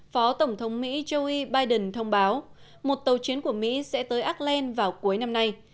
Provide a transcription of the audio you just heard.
phó tổng thống mỹ joe biden thông báo một tàu chiến của mỹ sẽ tới acklen vào cuối năm nay